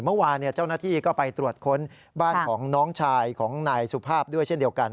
เมื่อวานเจ้าหน้าที่ก็ไปตรวจค้นบ้านของน้องชายของนายสุภาพด้วยเช่นเดียวกัน